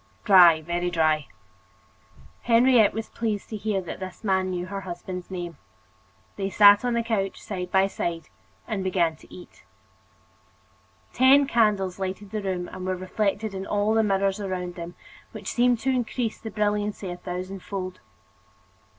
"Dry, very dry." Henriette was pleased to hear that this man knew her husband's name. They sat on the couch, side by side, and began to eat. Ten candles lighted the room and were reflected in the mirrors all around them, which seemed to increase the brilliancy a thousand fold.